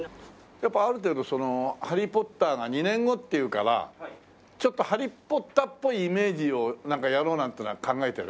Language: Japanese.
やっぱある程度その『ハリー・ポッター』が２年後っていうからちょっと『ハリー・ポッター』っぽいイメージをなんかやろうなんてのは考えてる？